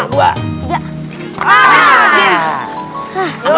nah angkat ya